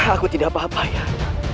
aku tidak apa apa ya